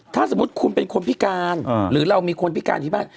ถ้าสมมุติคุณเป็นคนพิการหรือเรามีคนพิการที่บ้าน